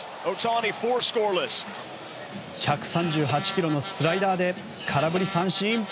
１３８キロのスライダーで空振り三振！